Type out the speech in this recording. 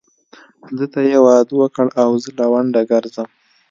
ده ته يې واده وکړ او زه لونډه ګرځم.